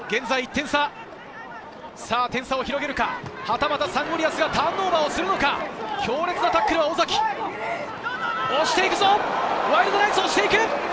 点差を広げるか、はたまたサンゴリアスがターンオーバーをするのか、強烈なタックルは尾崎、押していくぞワイルドナイツ。